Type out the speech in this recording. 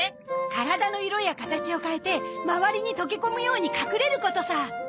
体の色や形を変えて周りに溶け込むように隠れることさ。